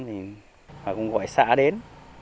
họ cũng gọi xã đến